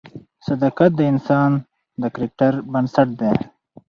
صداقت د انسان د کرکټر بنسټ دی.